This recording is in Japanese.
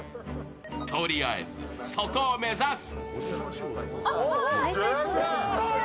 とりあえず、そこを目指す。